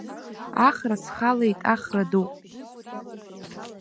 Ахра схалеит, ахра ду!